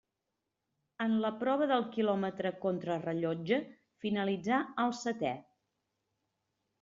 En la prova del quilòmetre contrarellotge finalitzà el setè.